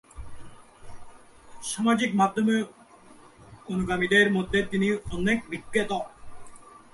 সামাজিক মাধ্যমে অনুগামীদের মধ্যেও তিনি অনেক বিখ্যাত।